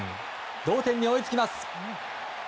同点に追いつきます。